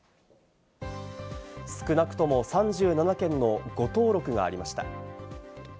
少なくとも３７件の誤登録がありました。